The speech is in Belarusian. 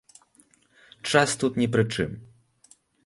Час тут ні пры чым.